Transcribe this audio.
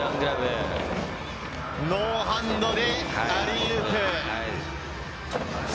ノーハンドでアーリーウープ。